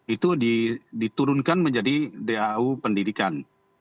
itu diturunkan menjadi dau pendidikan